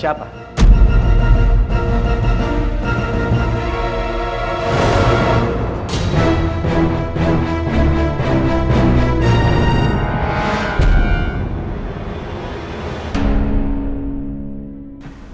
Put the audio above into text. tidak ada yang tahu